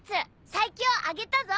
最強あげたぞ！